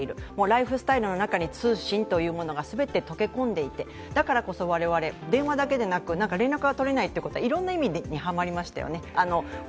ライフスタイルの中に通信というものが全て溶け込んでいて、だからこそ我々、電話だけでなく連絡が取れないということがいろんな意味ではまりましたよね。